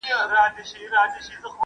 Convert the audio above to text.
ذهني فشار د ژوند توازن ګډوډوي.